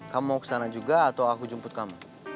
kamu mau ke sana juga atau aku jemput kamu